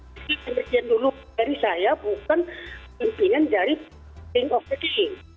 jadi pengertian dulu dari saya bukan pimpinan dari king of the king